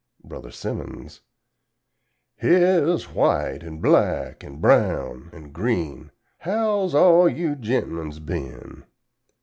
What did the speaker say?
Bro. Simmons "Here's White an' Black an' Brown an' Green; how's all you gent'men's been?"